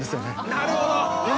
なるほど！